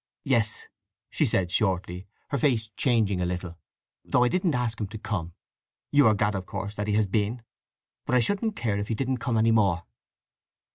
"Yes," she said shortly, her face changing a little. "Though I didn't ask him to come. You are glad, of course, that he has been! But I shouldn't care if he didn't come any more!"